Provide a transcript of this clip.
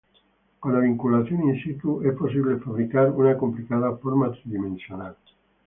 Con la vinculación in-situ es posible fabricar una complicada forma tridimensional.